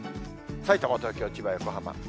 さいたま、東京、千葉、横浜。